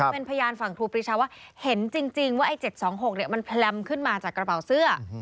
เป็นพยานฝั่งครูปรีชาว่าเห็นจริงว่าไอ้๗๒๖มันแพลมขึ้นมาจากกระเป๋าเสื้อ